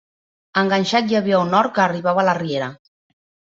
Enganxat hi havia un hort que arribava a la riera.